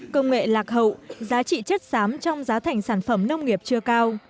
công nghệ lạc hậu giá trị chất xám trong giá thành sản phẩm nông nghiệp chưa cao